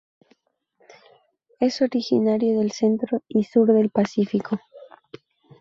Es originario del centro y sur del Pacífico.